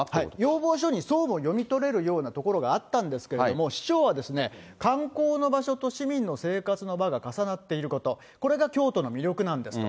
要望書にそうも読み取れるようなところがあったんですけれども、市長は、観光の場所と市民の生活の場が重なっていること、これが京都の魅力なんですと。